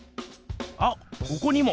あっここにも！